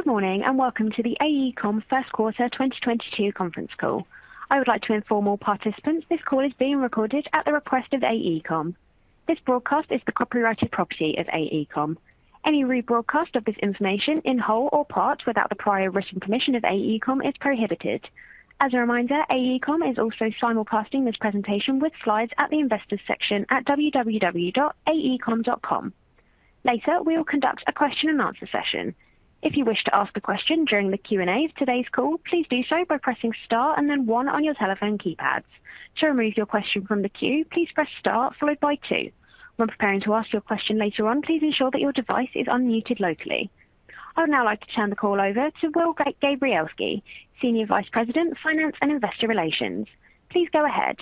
Good morning, and welcome to the AECOM first quarter 2022 conference call. I would like to inform all participants this call is being recorded at the request of AECOM. This broadcast is the copyrighted property of AECOM. Any rebroadcast of this information in whole or part without the prior written permission of AECOM is prohibited. As a reminder, AECOM is also simulcasting this presentation with slides at the investors section at www.aecom.com. Later, we will conduct a question-and-answer session. If you wish to ask a question during the Q&A of today's call, please do so by pressing star and then one on your telephone keypads. To remove your question from the queue, please press star followed by two. When preparing to ask your question later on, please ensure that your device is unmuted locally. I would now like to turn the call over to Will Gabrielski, Senior Vice President, Finance and Investor Relations. Please go ahead.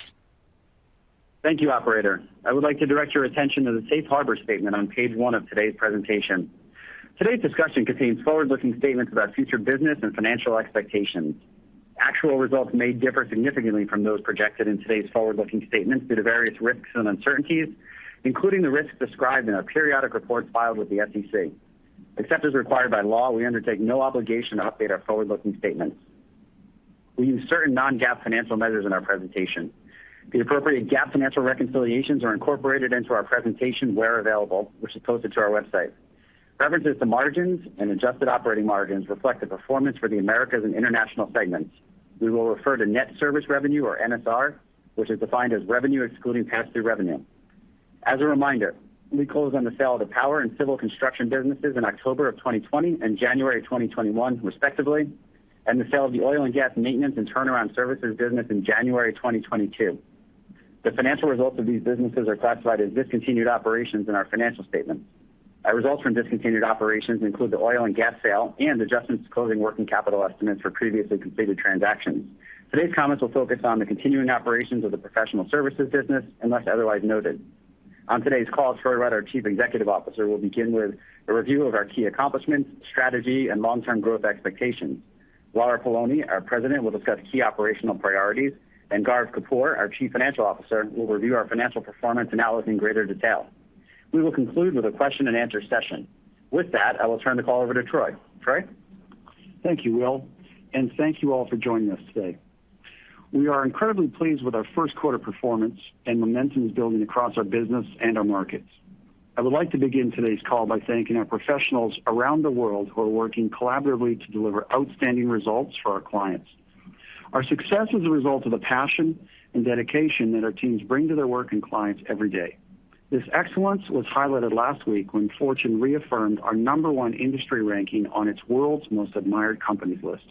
Thank you, operator. I would like to direct your attention to the Safe Harbor statement on page one of today's presentation. Today's discussion contains forward-looking statements about future business and financial expectations. Actual results may differ significantly from those projected in today's forward-looking statements due to various risks and uncertainties, including the risks described in our periodic reports filed with the SEC. Except as required by law, we undertake no obligation to update our forward-looking statements. We use certain non-GAAP financial measures in our presentation. The appropriate GAAP financial reconciliations are incorporated into our presentation where available, which is posted to our website. References to margins and adjusted operating margins reflect the performance for the Americas and International segments. We will refer to net service revenue or NSR, which is defined as revenue excluding pass-through revenue. As a reminder, we closed on the sale of the power and civil construction businesses in October of 2020 and January of 2021, respectively, and the sale of the oil and gas maintenance and turnaround services business in January 2022. The financial results of these businesses are classified as discontinued operations in our financial statement. Our results from discontinued operations include the oil and gas sale and adjustments to closing working capital estimates for previously completed transactions. Today's comments will focus on the continuing operations of the professional services business, unless otherwise noted. On today's call, Troy Rudd, our Chief Executive Officer, will begin with a review of our key accomplishments, strategy, and long-term growth expectations. Lara Poloni, our President, will discuss key operational priorities, and Gaurav Kapoor, our Chief Financial Officer, will review our financial performance analysis in greater detail. We will conclude with a question-and-answer session. With that, I will turn the call over to Troy. Troy? Thank you, Will, and thank you all for joining us today. We are incredibly pleased with our first quarter performance and momentum is building across our business and our markets. I would like to begin today's call by thanking our professionals around the world who are working collaboratively to deliver outstanding results for our clients. Our success is a result of the passion and dedication that our teams bring to their work and clients every day. This excellence was highlighted last week when Fortune reaffirmed our number one industry ranking on its World's Most Admired Companies list.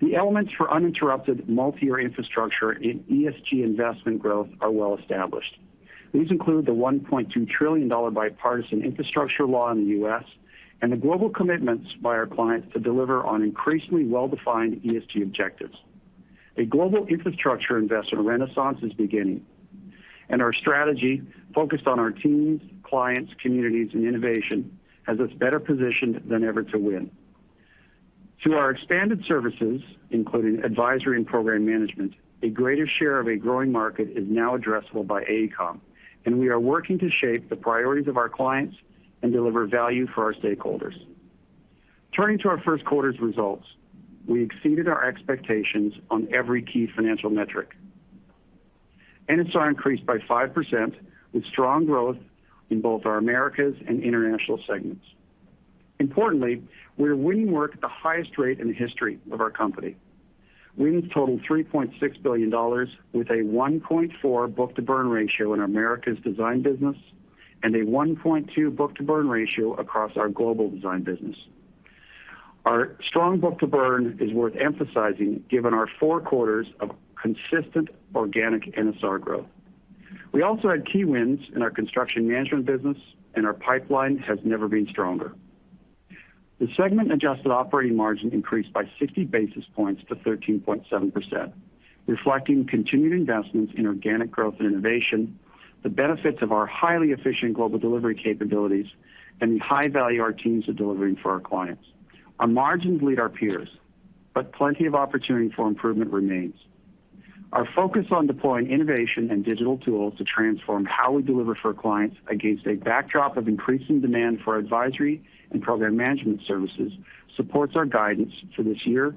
The elements for uninterrupted multiyear infrastructure in ESG investment growth are well established. These include the $1.2 trillion Bipartisan Infrastructure Law in the U.S. and the global commitments by our clients to deliver on increasingly well-defined ESG objectives. A global infrastructure investment renaissance is beginning, and our strategy, focused on our teams, clients, communities, and innovation, has us better positioned than ever to win. Through our expanded services, including advisory and program management, a greater share of a growing market is now addressable by AECOM, and we are working to shape the priorities of our clients and deliver value for our stakeholders. Turning to our first quarter's results, we exceeded our expectations on every key financial metric. NSR increased by 5% with strong growth in both our Americas and International segments. Importantly, we're winning work at the highest rate in the history of our company. Wins totaled $3.6 billion with a 1.4x book-to-burn ratio in our Americas design business and a 1.2x book-to-burn ratio across our global design business. Our strong book-to-burn is worth emphasizing given our four quarters of consistent organic NSR growth. We also had key wins in our construction management business, and our pipeline has never been stronger. The segment-adjusted operating margin increased by 60 basis points to 13.7%, reflecting continued investments in organic growth and innovation, the benefits of our highly efficient global delivery capabilities, and the high value our teams are delivering for our clients. Our margins lead our peers, but plenty of opportunity for improvement remains. Our focus on deploying innovation and digital tools to transform how we deliver for clients against a backdrop of increasing demand for advisory and program management services supports our guidance for this year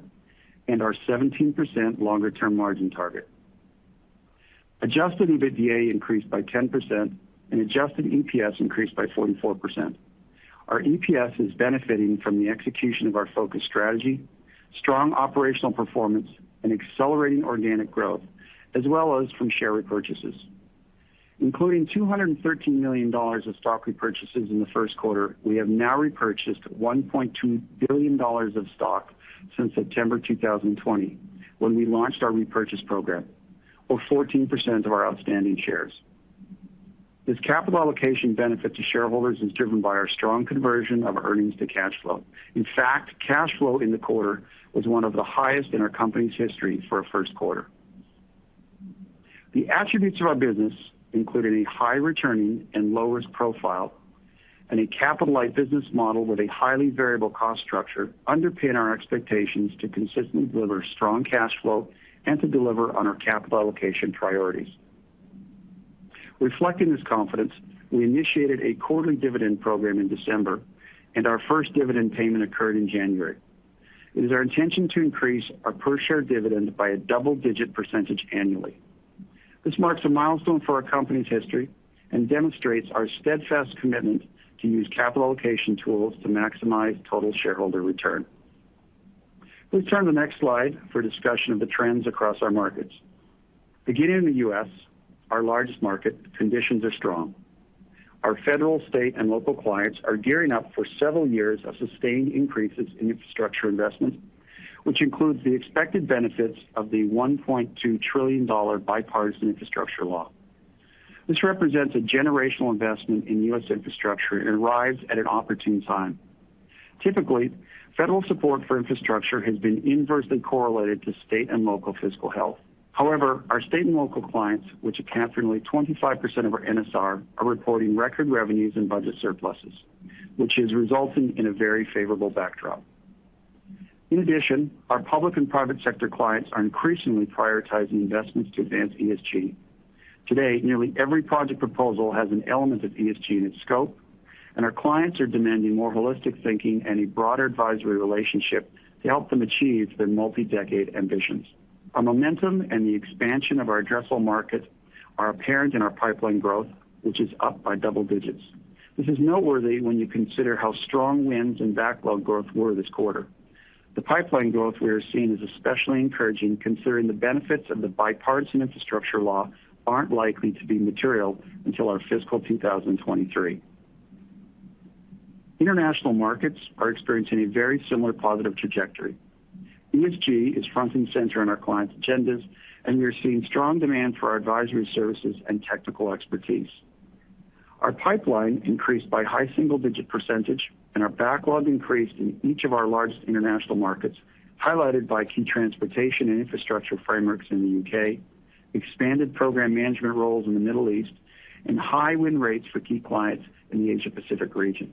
and our 17% longer-term margin target. Adjusted EBITDA increased by 10% and Adjusted EPS increased by 44%. Our EPS is benefiting from the execution of our focused strategy, strong operational performance, and accelerating organic growth, as well as from share repurchases. Including $213 million of stock repurchases in the first quarter, we have now repurchased $1.2 billion of stock since September 2020, when we launched our repurchase program, or 14% of our outstanding shares. This capital allocation benefit to shareholders is driven by our strong conversion of earnings to cash flow. In fact, cash flow in the quarter was one of the highest in our company's history for a first quarter. The attributes of our business, including a high returning and low-risk profile and a capital-light business model with a highly variable cost structure, underpin our expectations to consistently deliver strong cash flow and to deliver on our capital allocation priorities. Reflecting this confidence, we initiated a quarterly dividend program in December, and our first dividend payment occurred in January. It is our intention to increase our per share dividend by a double-digit percentage annually. This marks a milestone for our company's history and demonstrates our steadfast commitment to use capital allocation tools to maximize total shareholder return. Please turn to the next slide for a discussion of the trends across our markets. Beginning in the U.S., our largest market, conditions are strong. Our federal, state, and local clients are gearing up for several years of sustained increases in infrastructure investment, which includes the expected benefits of the $1.2 trillion Bipartisan Infrastructure Law. This represents a generational investment in U.S. infrastructure and arrives at an opportune time. Typically, federal support for infrastructure has been inversely correlated to state and local fiscal health. However, our state and local clients, which account for nearly 25% of our NSR, are reporting record revenues and budget surpluses, which is resulting in a very favorable backdrop. In addition, our public and private sector clients are increasingly prioritizing investments to advance ESG. Today, nearly every project proposal has an element of ESG in its scope, and our clients are demanding more holistic thinking and a broader advisory relationship to help them achieve their multi-decade ambitions. Our momentum and the expansion of our addressable market are apparent in our pipeline growth, which is up by double digits. This is noteworthy when you consider how strong wins and backlog growth were this quarter. The pipeline growth we are seeing is especially encouraging considering the benefits of the Bipartisan Infrastructure Law aren't likely to be material until our fiscal 2023. International markets are experiencing a very similar positive trajectory. ESG is front and center on our clients' agendas, and we are seeing strong demand for our advisory services and technical expertise. Our pipeline increased by high single-digit percentage and our backlog increased in each of our largest international markets, highlighted by key transportation and infrastructure frameworks in the U.K., expanded program management roles in the Middle East, and high win rates for key clients in the Asia Pacific region.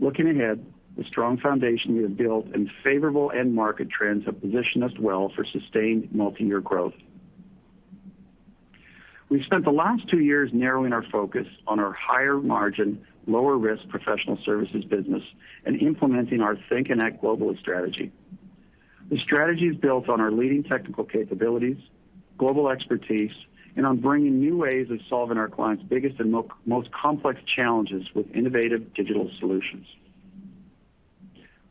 Looking ahead, the strong foundation we have built and favorable end market trends have positioned us well for sustained multi-year growth. We've spent the last two years narrowing our focus on our higher margin, lower risk professional services business and implementing our Think and Act Globally strategy. The strategy is built on our leading technical capabilities, global expertise, and on bringing new ways of solving our clients' biggest and most complex challenges with innovative digital solutions.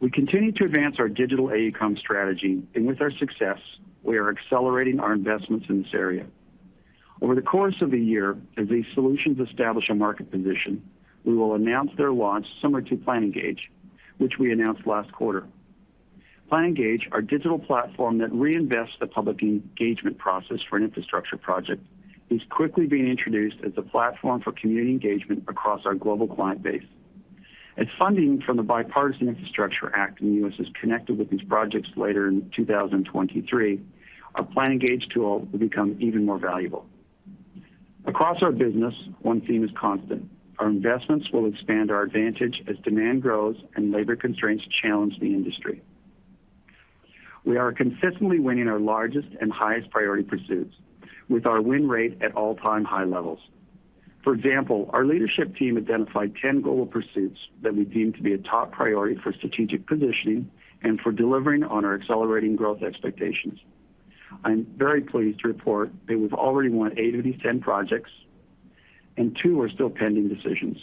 We continue to advance our Digital AECOM strategy, and with our success, we are accelerating our investments in this area. Over the course of the year, as these solutions establish a market position, we will announce their launch similar to PlanEngage, which we announced last quarter. PlanEngage, our digital platform that reinvents the public engagement process for an infrastructure project, is quickly being introduced as a platform for community engagement across our global client base. As funding from the Bipartisan Infrastructure Act in the U.S. is connected with these projects later in 2023, our PlanEngage tool will become even more valuable. Across our business, one theme is constant: Our investments will expand our advantage as demand grows and labor constraints challenge the industry. We are consistently winning our largest and highest priority pursuits with our win rate at all-time high levels. For example, our leadership team identified 10 global pursuits that we deem to be a top priority for strategic positioning and for delivering on our accelerating growth expectations. I'm very pleased to report that we've already won eight of these 10 projects and two are still pending decisions.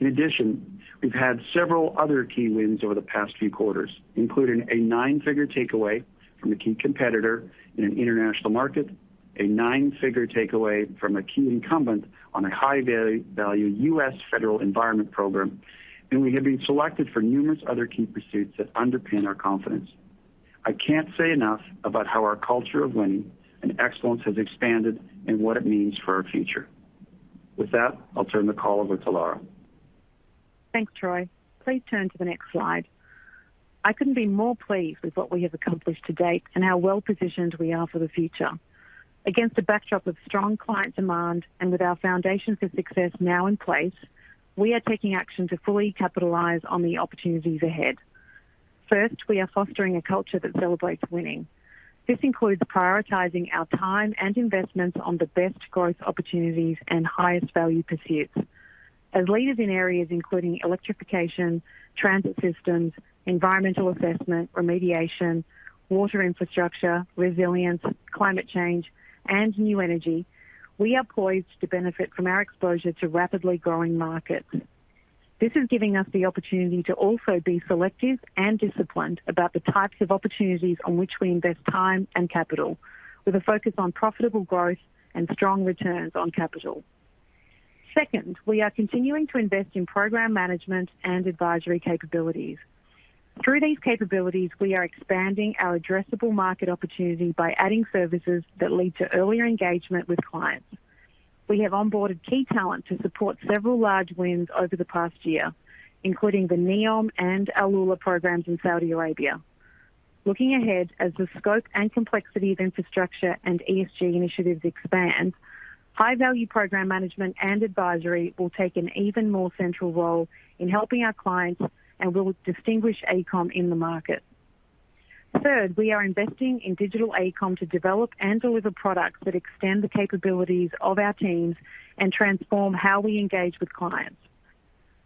In addition, we've had several other key wins over the past few quarters, including a nine-figure takeaway from a key competitor in an international market, a nine-figure takeaway from a key incumbent on a high value U.S. federal environment program, and we have been selected for numerous other key pursuits that underpin our confidence. I can't say enough about how our culture of winning and excellence has expanded and what it means for our future. With that, I'll turn the call over to Lara. Thanks, Troy. Please turn to the next slide. I couldn't be more pleased with what we have accomplished to date and how well-positioned we are for the future. Against a backdrop of strong client demand and with our foundations for success now in place, we are taking action to fully capitalize on the opportunities ahead. First, we are fostering a culture that celebrates winning. This includes prioritizing our time and investments on the best growth opportunities and highest value pursuits. As leaders in areas including electrification, transit systems, environmental assessment, remediation, water infrastructure, resilience, climate change, and new energy, we are poised to benefit from our exposure to rapidly growing markets. This is giving us the opportunity to also be selective and disciplined about the types of opportunities on which we invest time and capital with a focus on profitable growth and strong returns on capital. Second, we are continuing to invest in program management and advisory capabilities. Through these capabilities, we are expanding our addressable market opportunity by adding services that lead to earlier engagement with clients. We have onboarded key talent to support several large wins over the past year, including the NEOM and AlUla programs in Saudi Arabia. Looking ahead, as the scope and complexity of infrastructure and ESG initiatives expand, high-value program management and advisory will take an even more central role in helping our clients and will distinguish AECOM in the market. Third, we are investing in Digital AECOM to develop and deliver products that extend the capabilities of our teams and transform how we engage with clients.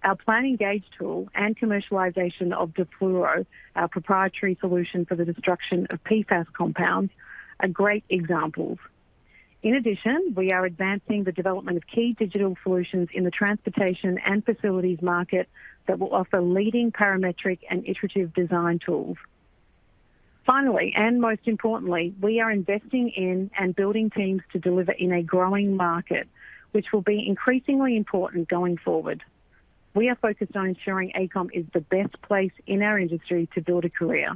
Our PlanEngage tool and commercialization of DE-FLUORO, our proprietary solution for the destruction of PFAS compounds, are great examples. In addition, we are advancing the development of key digital solutions in the transportation and facilities market that will offer leading parametric and iterative design tools. Finally, and most importantly, we are investing in and building teams to deliver in a growing market, which will be increasingly important going forward. We are focused on ensuring AECOM is the best place in our industry to build a career.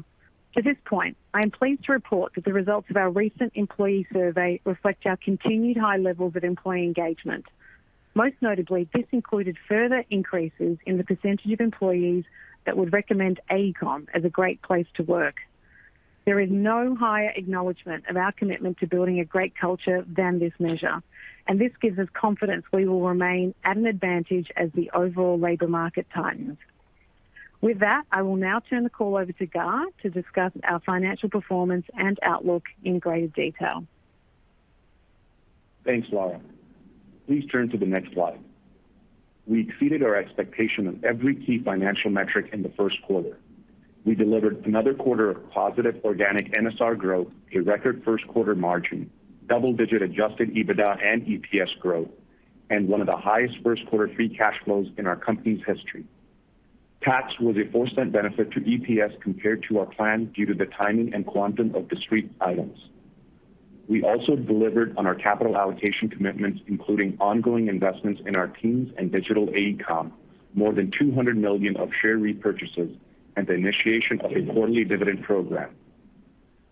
To this point, I am pleased to report that the results of our recent employee survey reflect our continued high levels of employee engagement. Most notably, this included further increases in the percentage of employees that would recommend AECOM as a great place to work. There is no higher acknowledgement of our commitment to building a great culture than this measure, and this gives us confidence we will remain at an advantage as the overall labor market tightens. With that, I will now turn the call over to Gaurav to discuss our financial performance and outlook in greater detail. Thanks, Lara. Please turn to the next slide. We exceeded our expectation on every key financial metric in the first quarter. We delivered another quarter of positive organic NSR growth, a record first quarter margin, double-digit Adjusted EBITDA and EPS growth, and one of the highest first quarter free cash flows in our company's history. Tax was a $0.04 benefit to EPS compared to our plan due to the timing and quantum of discrete items. We also delivered on our capital allocation commitments, including ongoing investments in our teams and Digital AECOM, more than $200 million of share repurchases, and the initiation of a quarterly dividend program.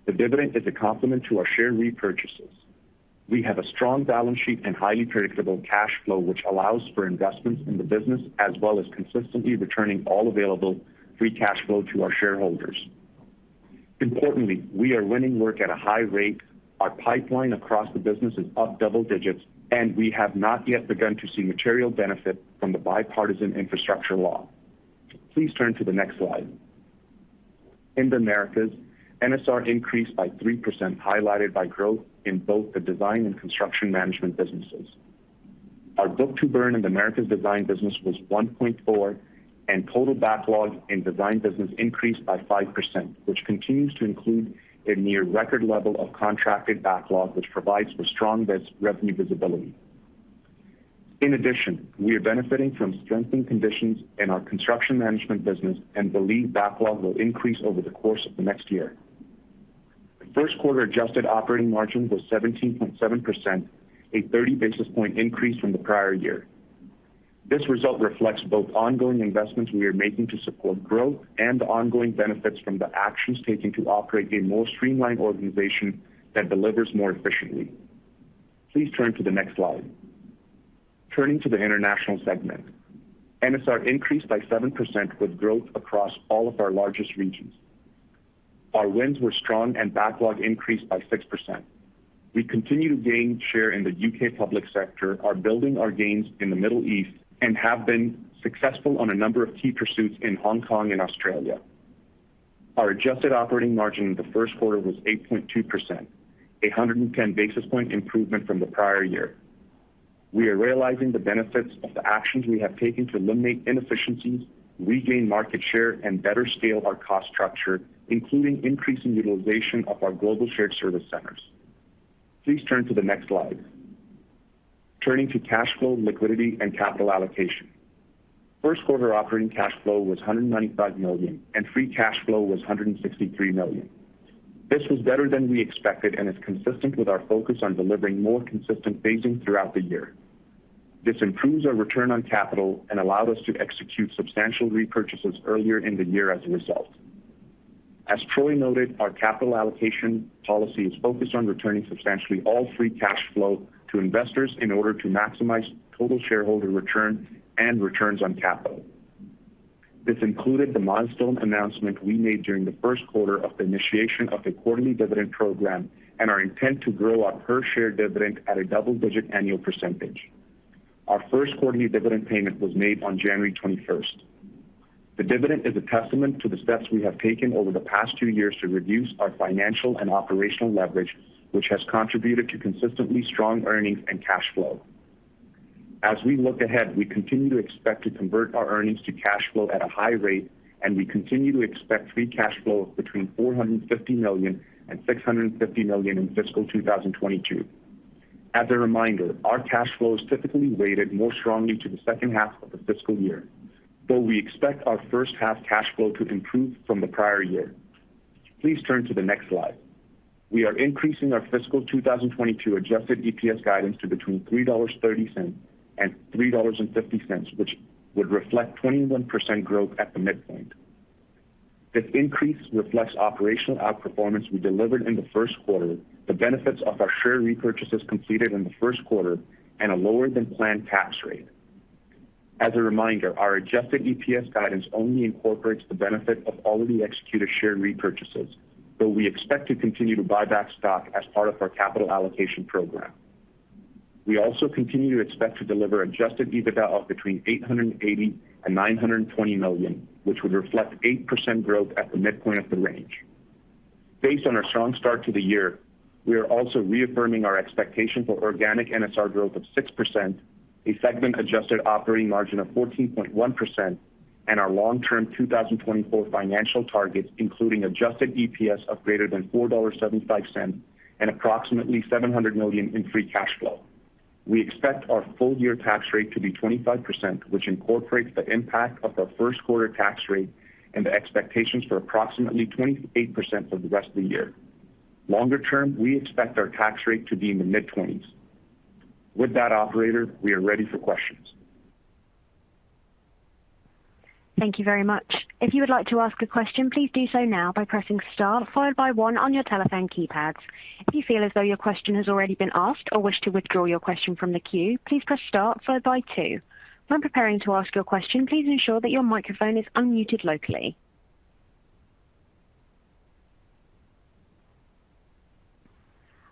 The dividend is a complement to our share repurchases. We have a strong balance sheet and highly predictable cash flow, which allows for investments in the business, as well as consistently returning all available free cash flow to our shareholders. Importantly, we are winning work at a high rate. Our pipeline across the business is up double digits, and we have not yet begun to see material benefit from the Bipartisan Infrastructure Law. Please turn to the next slide. In the Americas, NSR increased by 3%, highlighted by growth in both the design and construction management businesses. Our book-to-burn in the Americas design business was 1.4x, and total backlog in design business increased by 5%, which continues to include a near record level of contracted backlog, which provides for strong revenue visibility. In addition, we are benefiting from strengthened conditions in our construction management business and believe backlog will increase over the course of the next year. First quarter adjusted operating margin was 17.7%, a 30 basis point increase from the prior year. This result reflects both ongoing investments we are making to support growth and the ongoing benefits from the actions taken to operate a more streamlined organization that delivers more efficiently. Please turn to the next slide. Turning to the international segment, NSR increased by 7% with growth across all of our largest regions. Our wins were strong and backlog increased by 6%. We continue to gain share in the U.K. public sector, are building our gains in the Middle East, and have been successful on a number of key pursuits in Hong Kong and Australia. Our adjusted operating margin in the first quarter was 8.2%, a 110 basis point improvement from the prior year. We are realizing the benefits of the actions we have taken to eliminate inefficiencies, regain market share, and better scale our cost structure, including increasing utilization of our global shared service centers. Please turn to the next slide. Turning to cash flow, liquidity, and capital allocation. First quarter operating cash flow was $195 million, and free cash flow was $163 million. This was better than we expected and is consistent with our focus on delivering more consistent phasing throughout the year. This improves our return on capital and allowed us to execute substantial repurchases earlier in the year as a result. As Troy noted, our capital allocation policy is focused on returning substantially all free cash flow to investors in order to maximize total shareholder return and returns on capital. This included the milestone announcement we made during the first quarter of the initiation of the quarterly dividend program and our intent to grow our per share dividend at a double-digit annual percentage. Our first quarterly dividend payment was made on January 21st. The dividend is a testament to the steps we have taken over the past two years to reduce our financial and operational leverage, which has contributed to consistently strong earnings and cash flow. As we look ahead, we continue to expect to convert our earnings to cash flow at a high rate, and we continue to expect free cash flow of between $450 million and $650 million in fiscal 2022. As a reminder, our cash flow is typically weighted more strongly to the second half of the fiscal year, though we expect our first half cash flow to improve from the prior year. Please turn to the next slide. We are increasing our fiscal 2022 Adjusted EPS guidance to between $3.30 and $3.50, which would reflect 21% growth at the midpoint. This increase reflects operational outperformance we delivered in the first quarter, the benefits of our share repurchases completed in the first quarter, and a lower than planned tax rate. As a reminder, our Adjusted EPS guidance only incorporates the benefit of already executed share repurchases, though we expect to continue to buy back stock as part of our capital allocation program. We also continue to expect to deliver Adjusted EBITDA of between $880 million and $920 million, which would reflect 8% growth at the midpoint of the range. Based on our strong start to the year, we are also reaffirming our expectation for organic NSR growth of 6%, a segment adjusted operating margin of 14.1% and our long-term 2024 financial targets, including Adjusted EPS of greater than $4.75 and approximately $700 million in free cash flow. We expect our full year tax rate to be 25%, which incorporates the impact of our first quarter tax rate and the expectations for approximately 28% for the rest of the year. Longer term, we expect our tax rate to be in the mid-20s. With that, operator, we are ready for questions. Thank you very much. If you would like to ask a question, please do so now by pressing star followed by one on your telephone keypads. If you feel as though your question has already been asked or wish to withdraw your question from the queue, please press star followed by two. When preparing to ask your question, please ensure that your microphone is unmuted locally.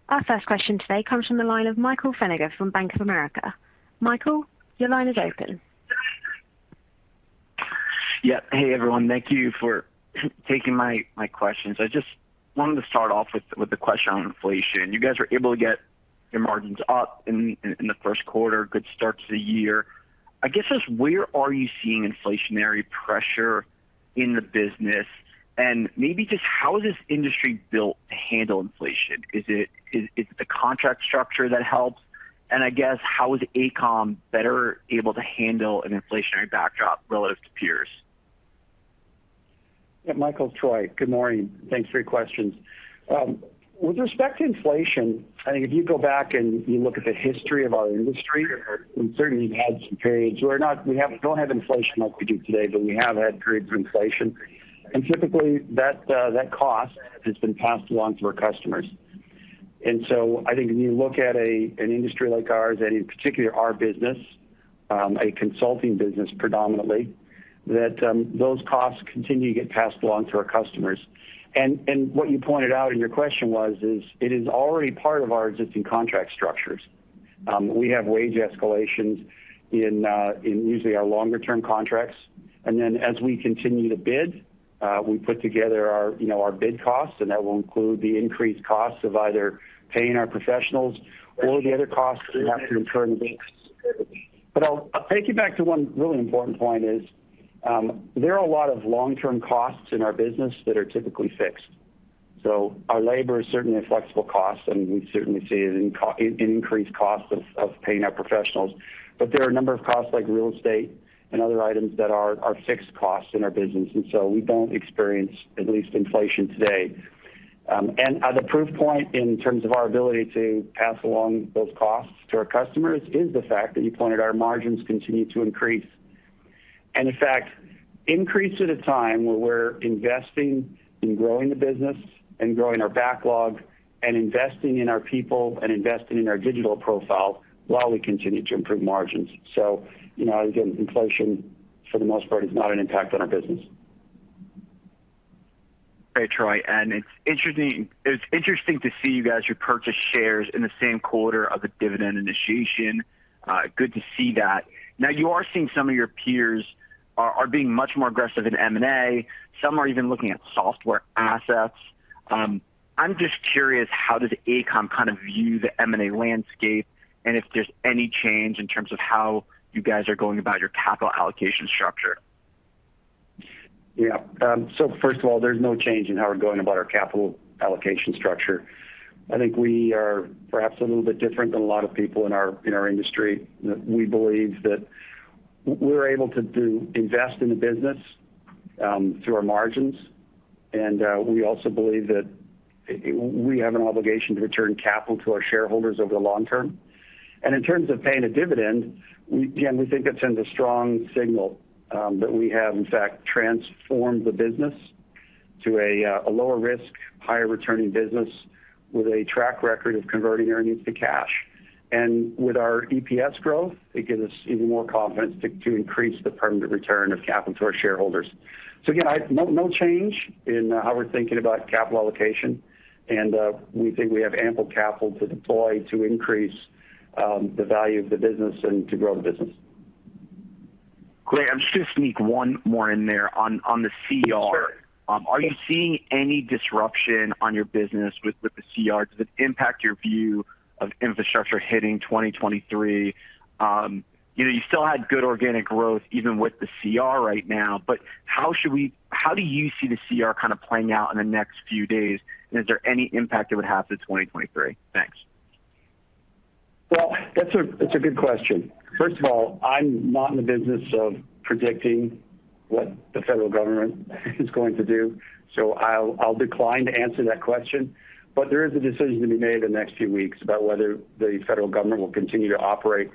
Our first question today comes from the line of Michael Feniger from Bank of America. Michael, your line is open. Yeah. Hey, everyone. Thank you for taking my questions. I just wanted to start off with a question on inflation. You guys are able to get your margins up in the first quarter. Good start to the year. I guess just where are you seeing inflationary pressure in the business? And maybe just how is this industry built to handle inflation? Is it the contract structure that helps? And I guess how is AECOM better able to handle an inflationary backdrop relative to peers? Yeah. Michael, Troy. Good morning. Thanks for your questions. With respect to inflation, I think if you go back and you look at the history of our industry, we certainly have had some periods where we don't have inflation like we do today, but we have had periods of inflation. Typically that cost has been passed along to our customers. I think when you look at an industry like ours and in particular our business, a consulting business predominantly, those costs continue to get passed along to our customers. What you pointed out in your question was that it is already part of our existing contract structures. We have wage escalations in usually our longer term contracts. As we continue to bid, we put together our, you know, our bid costs, and that will include the increased costs of either paying our professionals or the other costs we have to incur in the bids. I'll take you back to one really important point is, there are a lot of long-term costs in our business that are typically fixed. Our labor is certainly a flexible cost, and we certainly see it in increased costs of paying our professionals. There are a number of costs like real estate and other items that are fixed costs in our business, and so we don't experience inflation, at least today. The proof point in terms of our ability to pass along those costs to our customers is the fact that you pointed out our margins continue to increase. In fact, increase at a time where we're investing in growing the business and growing our backlog and investing in our people and investing in our digital profile while we continue to improve margins. You know, again, inflation for the most part is not an impact on our business. Hey, Troy, it's interesting to see you guys, you purchased shares in the same quarter of the dividend initiation. Good to see that. Now you are seeing some of your peers are being much more aggressive in M&A. Some are even looking at software assets. I'm just curious, how does AECOM kind of view the M&A landscape and if there's any change in terms of how you guys are going about your capital allocation structure? Yeah. First of all, there's no change in how we're going about our capital allocation structure. I think we are perhaps a little bit different than a lot of people in our industry. We believe that we're able to invest in the business through our margins. We also believe that we have an obligation to return capital to our shareholders over the long term. In terms of paying a dividend, we, again, think it sends a strong signal that we have in fact transformed the business to a lower risk, higher returning business with a track record of converting earnings to cash. With our EPS growth, it gives us even more confidence to increase the permanent return of capital to our shareholders. Again, no change in how we're thinking about capital allocation. We think we have ample capital to deploy to increase the value of the business and to grow the business. Great. I'm just going to sneak one more in there on the CR. Sure. Are you seeing any disruption on your business with the CR? Does it impact your view of infrastructure hitting 2023? You know, you still had good organic growth even with the CR right now, but how do you see the CR kind of playing out in the next few days, and is there any impact it would have to 2023? Thanks. That's a good question. First of all, I'm not in the business of predicting what the federal government is going to do, so I'll decline to answer that question. There is a decision to be made in the next few weeks about whether the federal government will continue to operate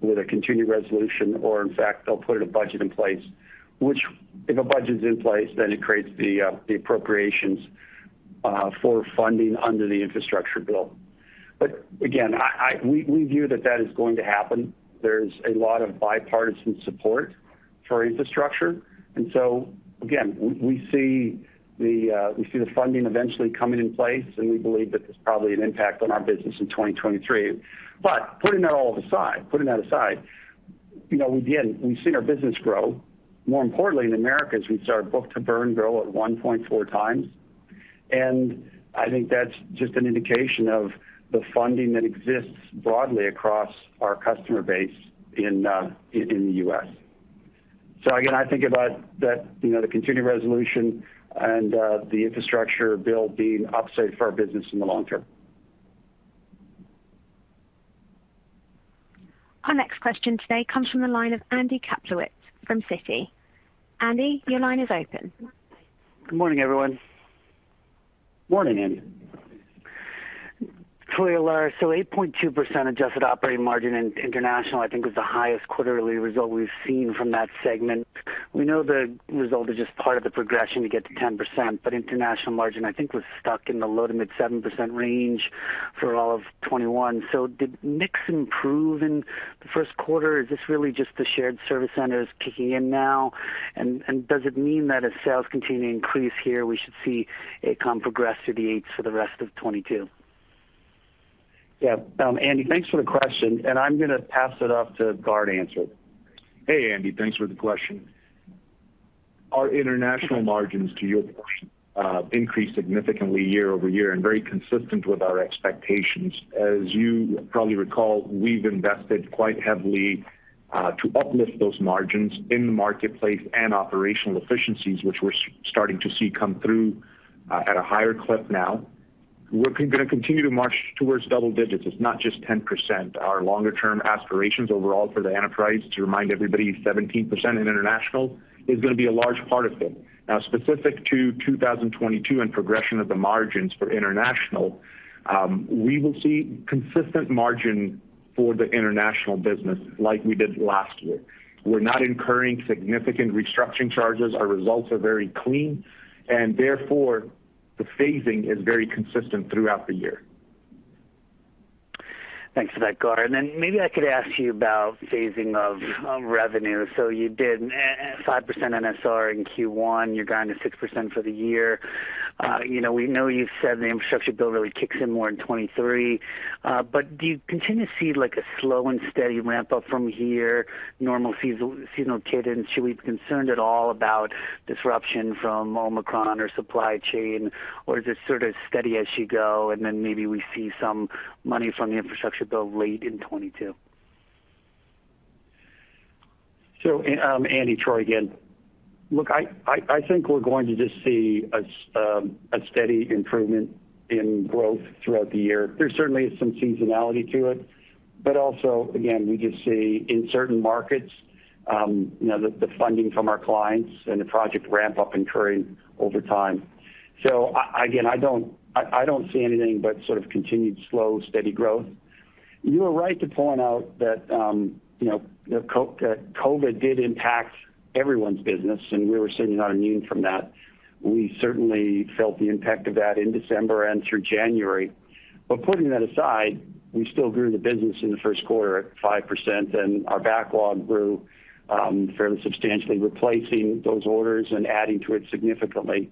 with a continuing resolution or in fact they'll put a budget in place. Which if a budget's in place, then it creates the appropriations for funding under the infrastructure bill. We view that is going to happen. There's a lot of bipartisan support for infrastructure. We see the funding eventually coming in place, and we believe that there's probably an impact on our business in 2023. Putting that all aside, you know, again, we've seen our business grow. More importantly, in Americas, we saw our book-to-burn grow at 1.4x. I think that's just an indication of the funding that exists broadly across our customer base in the U.S. Again, I think about that, you know, the continuing resolution and the infrastructure bill being upside for our business in the long term. Our next question today comes from the line of Andy Kaplowitz from Citi. Andy, your line is open. Good morning, everyone. Morning, Andy. Troy or Lara, 8.2% adjusted operating margin in international I think was the highest quarterly result we've seen from that segment. We know the result is just part of the progression to get to 10%, but international margin I think was stuck in the low-to-mid 7% range for all of 2021. Did mix improve in the first quarter? Is this really just the shared service centers kicking in now? And does it mean that as sales continue to increase here, we should see AECOM progress through the 8s for the rest of 2022? Yeah. Andy, thanks for the question, and I'm gonna pass it off to Gaurav to answer. Hey, Andy, thanks for the question. Our international margins, to your question, increased significantly year-over-year and very consistent with our expectations. As you probably recall, we've invested quite heavily to uplift those margins in the marketplace and operational efficiencies, which we're starting to see come through at a higher clip now. We're gonna continue to march towards double digits. It's not just 10%. Our longer term aspirations overall for the enterprise, to remind everybody, 17% in international is gonna be a large part of it. Now specific to 2022 and progression of the margins for international, we will see consistent margin for the international business like we did last year. We're not incurring significant restructuring charges. Our results are very clean, and therefore the phasing is very consistent throughout the year. Thanks for that, Gaurav. Maybe I could ask you about phasing of revenue. You did a 5% NSR in Q1. You're guiding to 6% for the year. You know, we know you've said the infrastructure bill really kicks in more in 2023. Do you continue to see like a slow and steady ramp up from here, normal seasonal cadence? Are we concerned at all about disruption from Omicron or supply chain, or is this sort of steady as you go, and then maybe we see some money from the infrastructure bill late in 2022? Andy, Troy again. Look, I think we're going to just see a steady improvement in growth throughout the year. There certainly is some seasonality to it, but also again, we just see in certain markets, you know, the funding from our clients and the project ramp up occurring over time. Again, I don't see anything but sort of continued slow, steady growth. You are right to point out that, you know, COVID did impact everyone's business, and we were certainly not immune from that. We certainly felt the impact of that in December and through January. Putting that aside, we still grew the business in the first quarter at 5%, and our backlog grew fairly substantially, replacing those orders and adding to it significantly.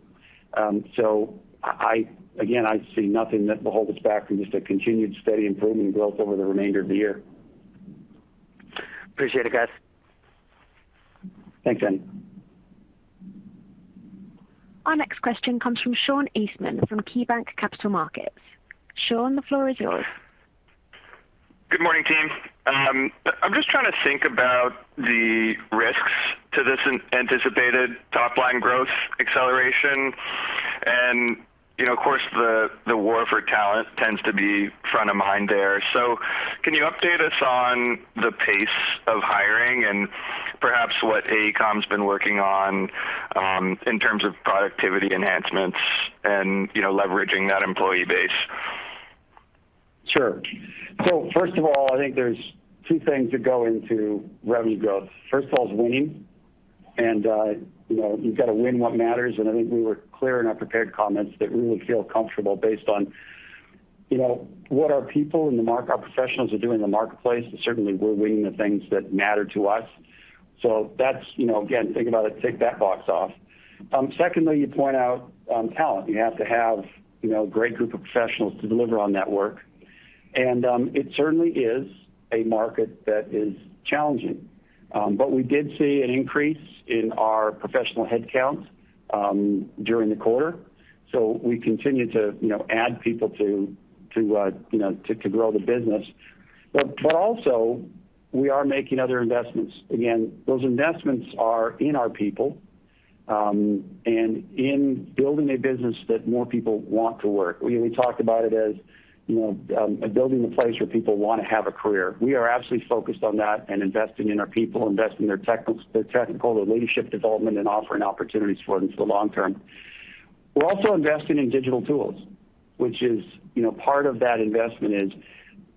Again, I see nothing that will hold us back from just a continued steady improvement in growth over the remainder of the year. Appreciate it, guys. Thanks, Andy. Our next question comes from Sean Eastman from KeyBanc Capital Markets. Sean, the floor is yours. Good morning, team. I'm just trying to think about the risks to this anticipated top-line growth acceleration. You know, of course, the war for talent tends to be front of mind there. Can you update us on the pace of hiring and perhaps what AECOM's been working on in terms of productivity enhancements and leveraging that employee base? Sure. First of all, I think there's two things that go into revenue growth. First of all is winning. You know, you've got to win what matters. I think we were clear in our prepared comments that we feel comfortable based on, you know, what our professionals are doing in the marketplace, and certainly we're winning the things that matter to us. That's, you know, again, think about it, tick that box off. Secondly, you point out talent. You have to have, you know, a great group of professionals to deliver on that work. It certainly is a market that is challenging. But we did see an increase in our professional headcount during the quarter. We continue to, you know, add people to grow the business. Also we are making other investments. Again, those investments are in our people, and in building a business that more people want to work. We talked about it as, you know, building a place where people wanna have a career. We are absolutely focused on that and investing in our people, investing in their technical, their leadership development and offering opportunities for them for the long term. We're also investing in digital tools, which is, you know, part of that investment is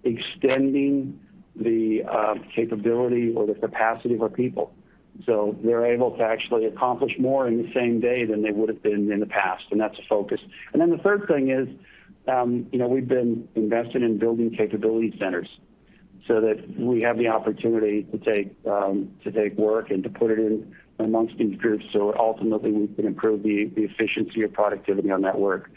extending the capability or the capacity of our people. They're able to actually accomplish more in the same day than they would have been in the past, and that's a focus. The third thing is, you know, we've been investing in building capability centers so that we have the opportunity to take work and to put it in amongst these groups, so ultimately we can improve the efficiency or productivity on that work.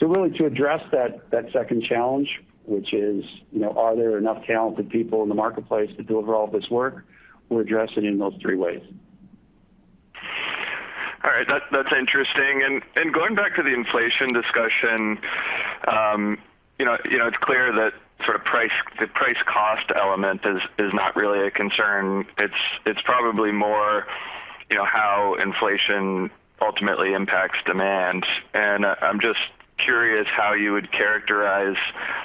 Really to address that second challenge, which is, you know, are there enough talented people in the marketplace to deliver all of this work? We're addressing in those three ways. All right. That's interesting. Going back to the inflation discussion, you know, it's clear that sort of price, the price cost element is not really a concern. It's probably more, you know, how inflation ultimately impacts demand. I'm just curious how you would characterize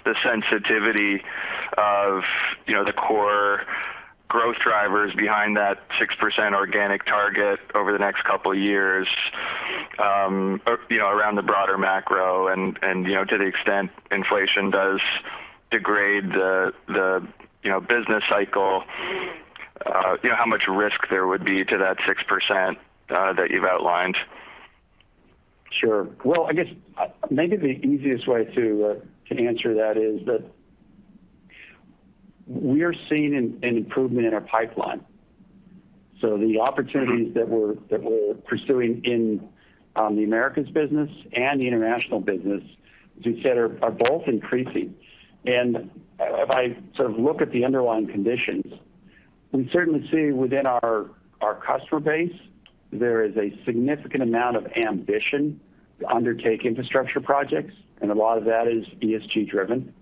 the sensitivity of, you know, the core growth drivers behind that 6% organic target over the next couple years, or, you know, around the broader macro and, you know, to the extent inflation does degrade the, you know, business cycle, you know, how much risk there would be to that 6%, that you've outlined. Sure. Well, I guess maybe the easiest way to answer that is that we are seeing an improvement in our pipeline. The opportunities that we're pursuing in the Americas business and the international business, as you said, are both increasing. If I sort of look at the underlying conditions, we certainly see within our customer base there is a significant amount of ambition to undertake infrastructure projects, and a lot of that is ESG driven.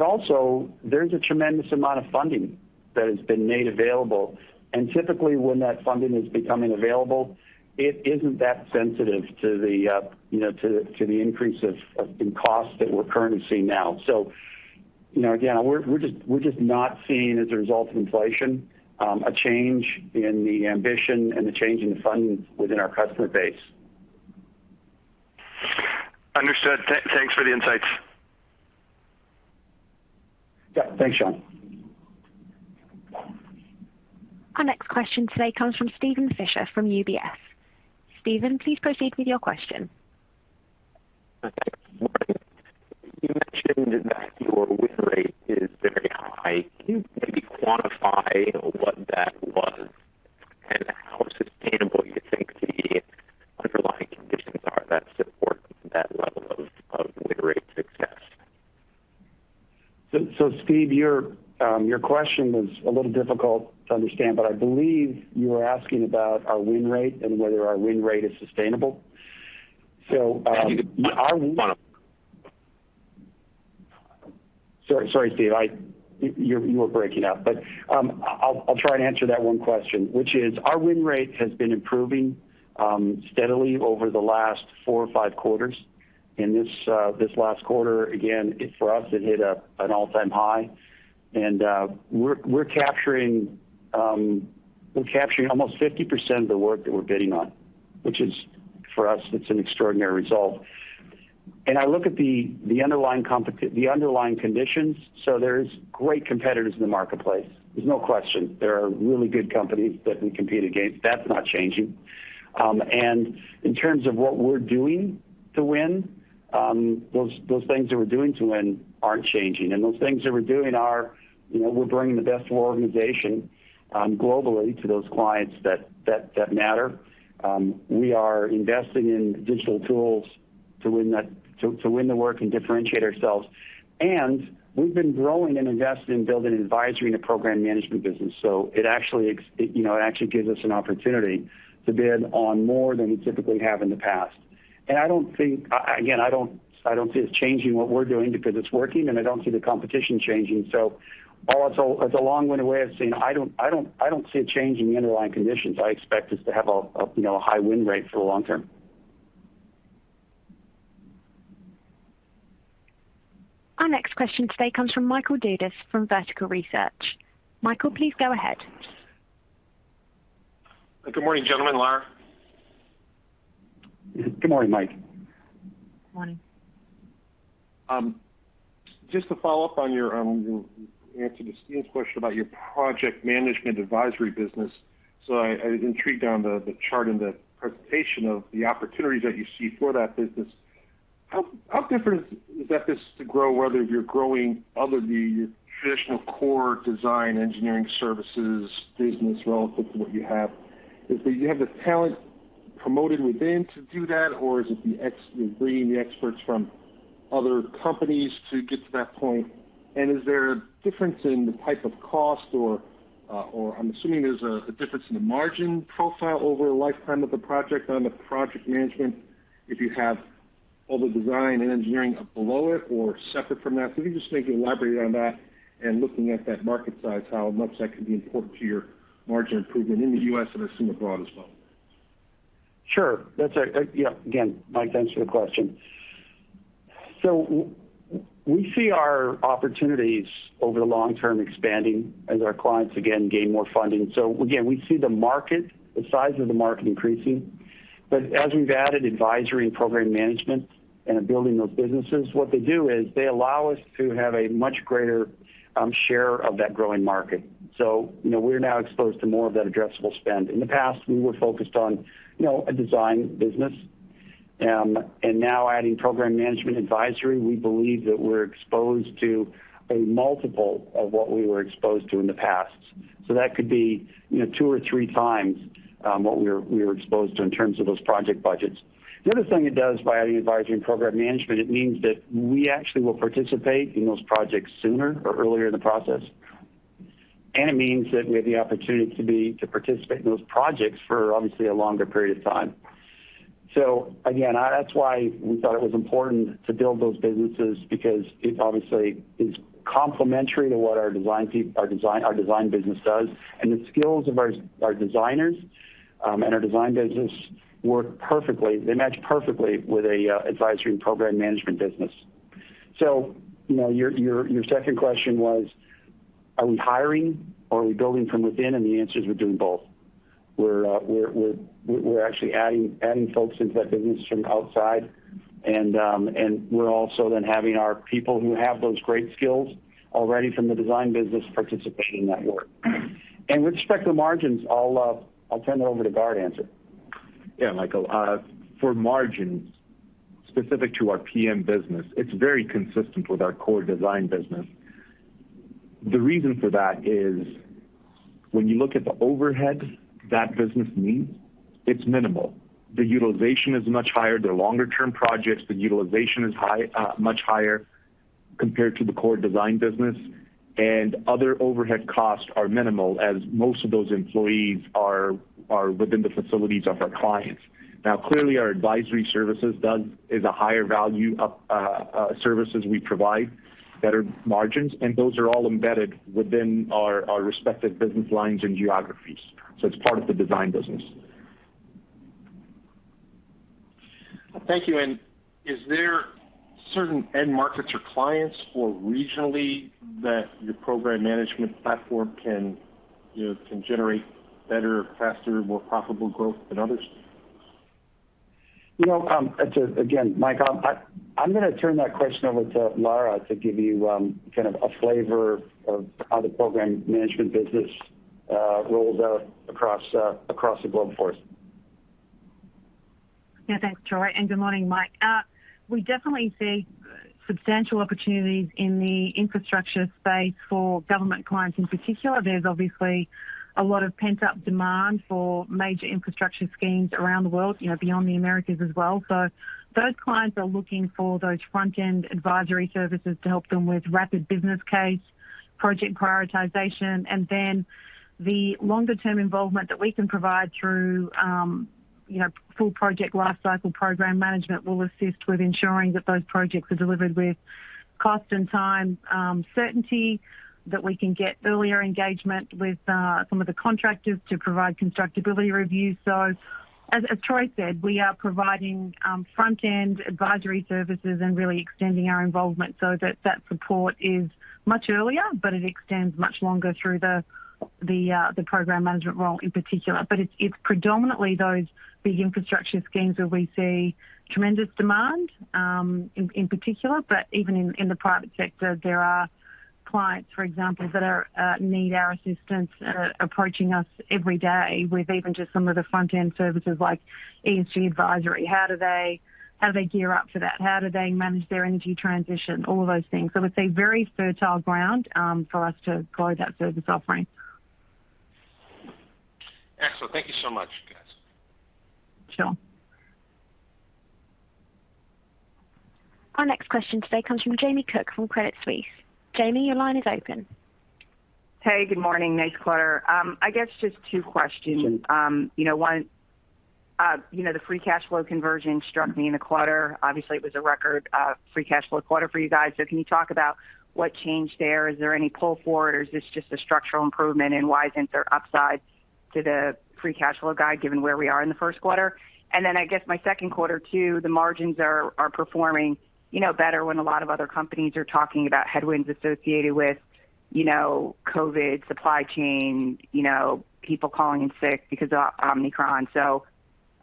Also there's a tremendous amount of funding that has been made available and typically when that funding is becoming available, it isn't that sensitive to the, you know, to the increase in costs that we're currently seeing now. You know, again, we're just not seeing as a result of inflation a change in the ambition and the change in the funding within our customer base. Understood. Thanks for the insights. Yeah. Thanks, Sean. Our next question today comes from Steven Fisher from UBS. Steven, please proceed with your question. Thanks. Good morning. You mentioned that your win rate is very high. Can you maybe quantify what that was and how sustainable you think the underlying conditions are that support that level of win rate success? Steve, your question was a little difficult to understand, but I believe you were asking about our win rate and whether our win rate is sustainable. Our win- If you could maybe quantify? Sorry, Steve. You were breaking up, but I'll try and answer that one question, which is our win rate has been improving steadily over the last four or five quarters. In this last quarter, again, it, for us, hit an all-time high and we're capturing almost 50% of the work that we're bidding on, which is for us, it's an extraordinary result. I look at the underlying conditions, so there's great competitors in the marketplace. There's no question. There are really good companies that we compete against. That's not changing. In terms of what we're doing to win, those things that we're doing to win aren't changing. Those things that we're doing are, you know, we're bringing the best of our organization globally to those clients that matter. We are investing in digital tools to win that, to win the work and differentiate ourselves. We've been growing and investing and building advisory in the program management business. It actually gives us an opportunity to bid on more than we typically have in the past. Again, I don't see us changing what we're doing because it's working, and I don't see the competition changing. It's a long-winded way of saying I don't see a change in the underlying conditions. I expect us to have a high win rate for the long term. Our next question today comes from Michael Dudas from Vertical Research. Michael, please go ahead. Good morning, gentlemen, Lara. Good morning, Mike. Morning. Just to follow up on your answer to Steve's question about your project management advisory business. I was intrigued on the chart and the presentation of the opportunities that you see for that business. How different is that business to grow, whether you're growing other than your traditional core design engineering services business relative to what you have? Is it you have the talent promoted within to do that, or is it you're bringing the experts from other companies to get to that point? Is there a difference in the type of cost or I'm assuming there's a difference in the margin profile over the lifetime of the project on the project management if you have all the design and engineering below it or separate from that. If you can just maybe elaborate on that and looking at that market size, how much that could be important to your margin improvement in the U.S. and I assume abroad as well? Sure. Yeah. Again, Mike, thanks for the question. We see our opportunities over the long term expanding as our clients again gain more funding. We see the market, the size of the market increasing. As we've added advisory and program management and are building those businesses, what they do is they allow us to have a much greater share of that growing market. You know, we're now exposed to more of that addressable spend. In the past, we were focused on, you know, a design business. Now adding program management advisory, we believe that we're exposed to a multiple of what we were exposed to in the past. That could be, you know, two or three times what we were exposed to in terms of those project budgets. The other thing it does by adding advisory and program management, it means that we actually will participate in those projects sooner or earlier in the process. It means that we have the opportunity to participate in those projects for obviously a longer period of time. Again, that's why we thought it was important to build those businesses because it obviously is complementary to what our design business does. The skills of our designers and our design business work perfectly. They match perfectly with advisory and program management business. You know, your second question was, are we hiring or are we building from within? The answer is we're doing both. We're actually adding folks into that business from outside. We're also then having our people who have those great skills already from the design business participating in that work. With respect to the margins, I'll turn it over to Gaurav to answer. Yeah, Michael, for margins specific to our PM business, it's very consistent with our core design business. The reason for that is when you look at the overhead that business needs, it's minimal. The utilization is much higher. They're longer term projects. The utilization is high, much higher compared to the core design business. Other overhead costs are minimal as most of those employees are within the facilities of our clients. Now, clearly, our advisory services is a higher value services we provide, better margins, and those are all embedded within our respective business lines and geographies. It's part of the design business. Thank you. Is there certain end markets or clients or regionally that your program management platform can, you know, can generate better, faster, more profitable growth than others? You know, again, Mike, I'm gonna turn that question over to Lara to give you kind of a flavor of how the program management business rolls out across the globe for us. Yeah. Thanks, Troy. Good morning, Mike. We definitely see substantial opportunities in the infrastructure space for government clients in particular. There's obviously a lot of pent-up demand for major infrastructure schemes around the world, you know, beyond the Americas as well. Those clients are looking for those front-end advisory services to help them with rapid business case, project prioritization. Then the longer term involvement that we can provide through, you know, full project lifecycle program management will assist with ensuring that those projects are delivered with cost and time certainty that we can get earlier engagement with some of the contractors to provide constructability reviews. As Troy said, we are providing front-end advisory services and really extending our involvement so that support is much earlier, but it extends much longer through the program management role in particular. It's predominantly those big infrastructure schemes where we see tremendous demand in particular. Even in the private sector, there are clients, for example, that need our assistance and are approaching us every day with even just some of the front-end services like ESG advisory. How do they gear up for that? How do they manage their energy transition? All of those things. It's a very fertile ground for us to grow that service offering. Excellent. Thank you so much, guys. Sure. Our next question today comes from Jamie Cook from Credit Suisse. Jamie, your line is open. Hey, good morning. Nice quarter. I guess just two questions. You know, one, you know, the free cash flow conversion struck me in the quarter. Obviously it was a record free cash flow quarter for you guys. Can you talk about what changed there? Is there any pull forward or is this just a structural improvement? Why isn't there upside to the free cash flow guide given where we are in the first quarter? I guess my second question too, the margins are performing, you know, better when a lot of other companies are talking about headwinds associated with, you know, COVID, supply chain, you know, people calling in sick because of Omicron.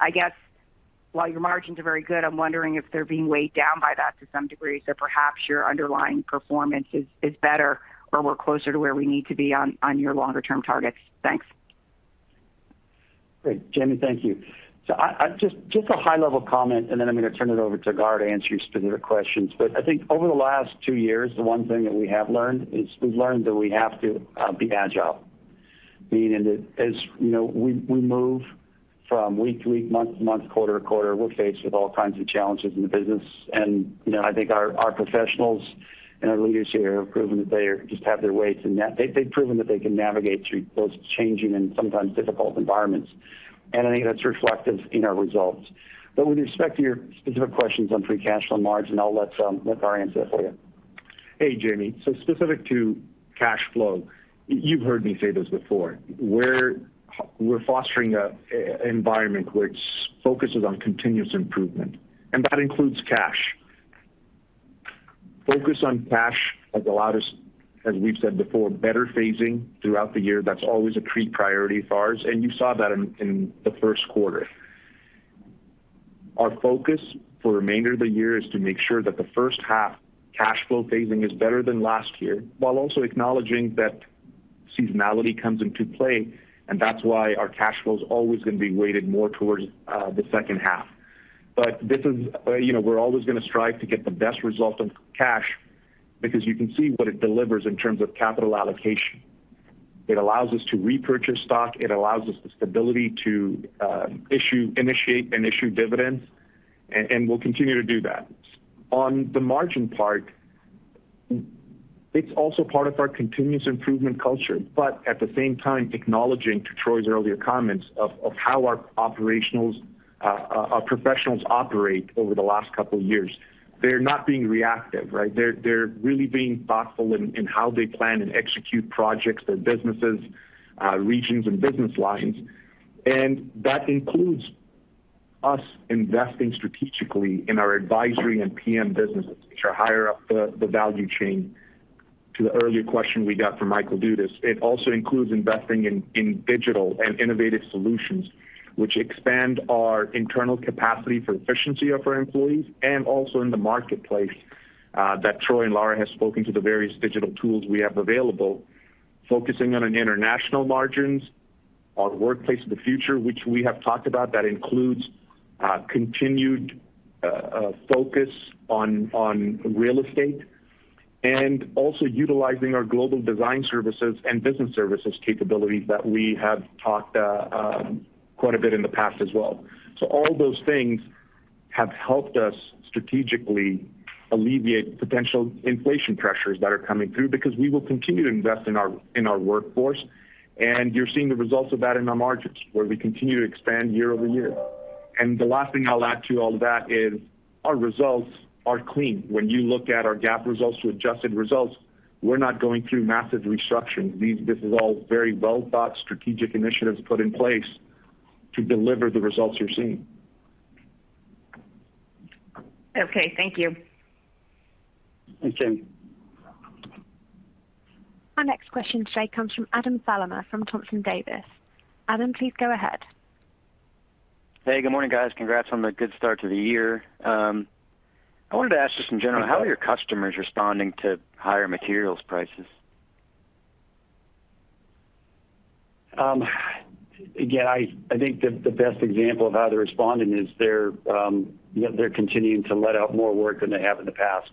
I guess while your margins are very good, I'm wondering if they're being weighed down by that to some degree. Perhaps your underlying performance is better or we're closer to where we need to be on your longer term targets. Thanks. Great. Jamie, thank you. I just a high level comment and then I'm gonna turn it over to Gaurav to answer your specific questions. I think over the last two years, the one thing that we have learned is that we have to be agile. Meaning that as, you know, we move from week to week, month to month, quarter to quarter, we're faced with all kinds of challenges in the business. You know, I think our professionals and our leaders here have proven that they can navigate through those changing and sometimes difficult environments. I think that's reflected in our results. With respect to your specific questions on free cash flow and margin, I'll let Gaurav answer that for you. Hey, Jamie. Specific to cash flow, you've heard me say this before. We're fostering an environment which focuses on continuous improvement, and that includes cash. Focus on cash has allowed us, as we've said before, better phasing throughout the year. That's always a key priority of ours, and you saw that in the first quarter. Our focus for the remainder of the year is to make sure that the first half cash flow phasing is better than last year while also acknowledging that Seasonality comes into play, and that's why our cash flow is always gonna be weighted more towards the second half. This is. You know, we're always gonna strive to get the best result on cash because you can see what it delivers in terms of capital allocation. It allows us to repurchase stock. It allows us the stability to initiate and issue dividends, and we'll continue to do that. On the margin part, it's also part of our continuous improvement culture. At the same time, according to Troy's earlier comments on how our professionals operate over the last couple of years. They're not being reactive, right? They're really being thoughtful in how they plan and execute projects, their businesses, regions and business lines. That includes us investing strategically in our advisory and PM businesses, which are higher up the value chain. To the earlier question we got from Michael Dudas, it also includes investing in digital and innovative solutions, which expand our internal capacity for efficiency of our employees and also in the marketplace that Troy and Lara has spoken to the various digital tools we have available, focusing on international margins, on workplace of the future, which we have talked about, that includes continued focus on real estate, and also utilizing our global design services and business services capabilities that we have talked quite a bit in the past as well. All those things have helped us strategically alleviate potential inflation pressures that are coming through because we will continue to invest in our workforce. You're seeing the results of that in our margins, where we continue to expand year-over-year. The last thing I'll add to all of that is our results are clean. When you look at our GAAP results to adjusted results, we're not going through massive restructurings. This is all very well-thought strategic initiatives put in place to deliver the results you're seeing. Okay. Thank you. Thanks, Jamie. Our next question today comes from Adam Thalhimer from Thompson Davis. Adam, please go ahead. Hey, good morning, guys. Congrats on the good start to the year. I wanted to ask just in general, how are your customers responding to higher materials prices? Again, I think the best example of how they're responding is they're continuing to let out more work than they have in the past.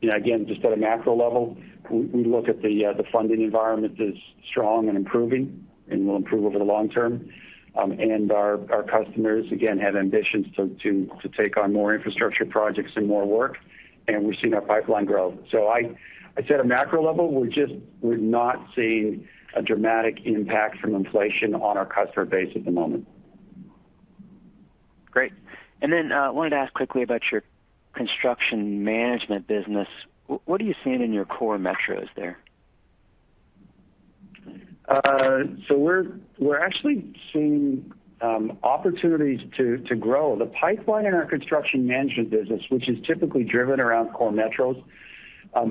You know, again, just at a macro level, we look at the funding environment as strong and improving and will improve over the long term. Our customers, again, have ambitions to take on more infrastructure projects and more work, and we've seen our pipeline grow. I'd say at a macro level, we're just not seeing a dramatic impact from inflation on our customer base at the moment. Great. I wanted to ask quickly about your construction management business. What are you seeing in your core metros there? We're actually seeing opportunities to grow. The pipeline in our construction management business, which is typically driven around core metros,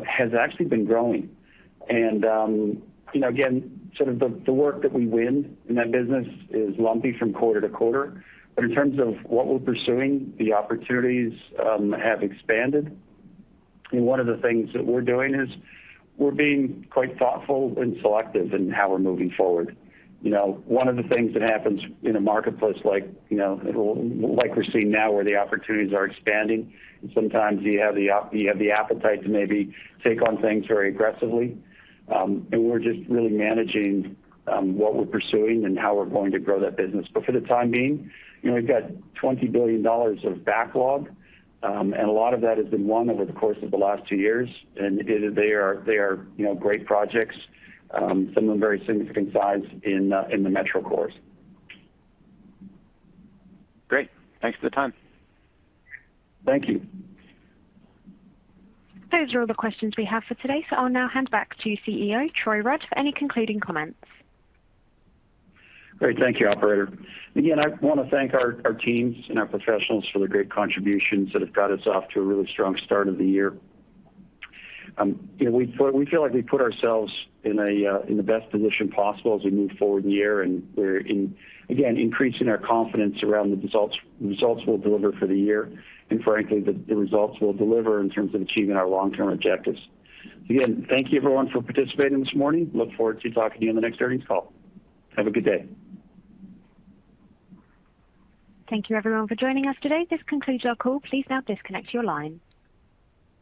has actually been growing. You know, again, sort of the work that we win in that business is lumpy from quarter to quarter. In terms of what we're pursuing, the opportunities have expanded. One of the things that we're doing is we're being quite thoughtful and selective in how we're moving forward. You know, one of the things that happens in a marketplace like, you know, like we're seeing now where the opportunities are expanding, and sometimes you have the appetite to maybe take on things very aggressively. We're just really managing what we're pursuing and how we're going to grow that business. For the time being, you know, we've got $20 billion of backlog, and a lot of that has been won over the course of the last two years. They are, you know, great projects, some of them very significant size in the metro cores. Great. Thanks for the time. Thank you. Those are all the questions we have for today. I'll now hand back to CEO Troy Rudd for any concluding comments. Great. Thank you, operator. Again, I wanna thank our teams and our professionals for their great contributions that have got us off to a really strong start of the year. You know, we feel like we put ourselves in a, in the best position possible as we move forward in the year, and we're in, again, increasing our confidence around the results we'll deliver for the year and frankly, the results we'll deliver in terms of achieving our long-term objectives. Again, thank you everyone for participating this morning. I look forward to talking to you on the next earnings call. Have a good day. Thank you everyone for joining us today. This concludes our call. Please now disconnect your line.